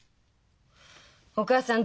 お母さん